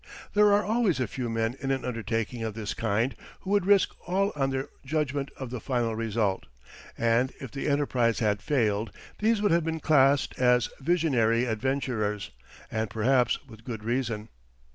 There are always a few men in an undertaking of this kind who would risk all on their judgment of the final result, and if the enterprise had failed, these would have been classed as visionary adventurers, and perhaps with good reason.